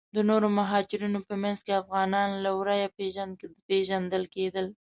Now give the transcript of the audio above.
د نورو مهاجرینو په منځ کې افغانان له ورایه پیژندل کیدل.